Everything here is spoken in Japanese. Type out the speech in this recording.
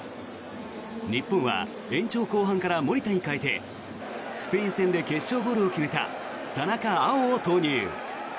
日本は延長後半から守田に代えてスペイン戦で決勝ゴールを決めた田中碧を投入。